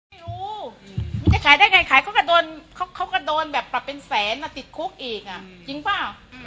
ไม่รู้มันจะขายได้ไงขายเขาก็โดนเขาก็โดนแบบปรับเป็นแสนติดคุกอีกอ่ะจริงเปล่า